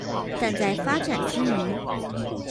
但在發展之餘